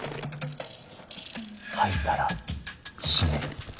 吐いたら締める。